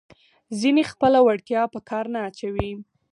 ځینې خپله وړتیا په کار نه اچوي.